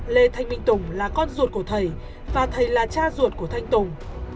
lê thanh minh tùng là con ruột của thầy và thầy là cha ruột của thanh tùng